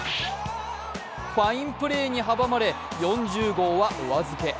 ファインプレーに阻まれ４０号はお預け。